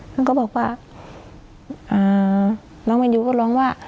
ท่านก็บอกว่าน้องแมนยูก็ร้องว่า